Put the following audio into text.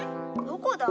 どこだ？